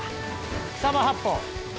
草間八方。